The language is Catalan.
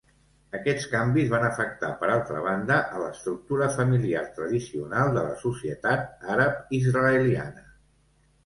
Aquests canvis van afectar per altra banda a l'estructura familiar tradicional de la societat àrab-israeliana.